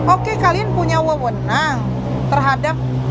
oke kalian punya wewenang terhadap